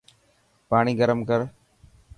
پاڻي گرم ڪر.